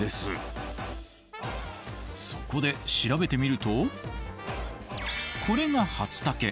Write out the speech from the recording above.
そこで調べてみるとこれがハツタケ。